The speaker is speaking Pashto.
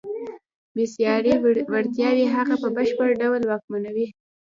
بېساري وړتیاوې هغه په بشپړ ډول واکمنوي.